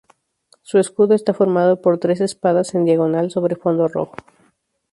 Su escudo está formado por tres espadas en diagonal sobre fondo rojo.